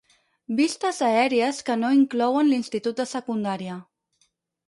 Vistes aèries que no inclouen l'institut de seundària.